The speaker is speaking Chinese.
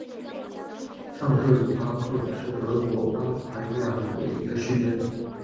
上特鲁巴赫是德国巴伐利亚州的一个市镇。